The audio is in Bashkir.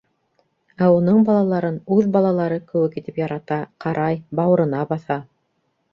Ә уның балаларын үҙ балалары кеүек итеп ярата, ҡарай, бауырына баҫа.